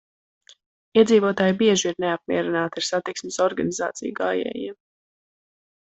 Iedzīvotāji bieži ir neapmierināti ar satiksmes organizāciju gājējiem.